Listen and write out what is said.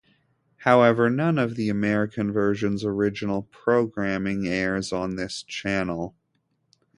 However, none of the American version's original programming airs on this channel.